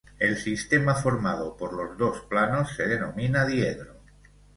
El sistema formado por los dos planos se denomina diedro.